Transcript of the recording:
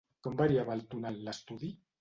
Com variava el túnel l'estudi?